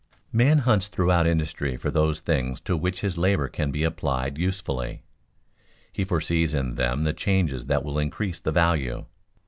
Man hunts throughout industry for those things to which his labor can be applied usefully. He foresees in them the changes that will increase the value.